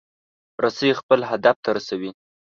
رسۍ خپل هدف ته رسوي.